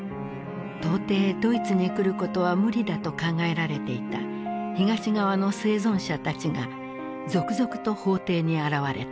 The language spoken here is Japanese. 到底ドイツに来ることは無理だと考えられていた東側の生存者たちが続々と法廷に現れた。